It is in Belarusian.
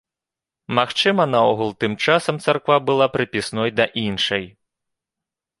Магчыма, наогул, тым часам царква была прыпісной да іншай.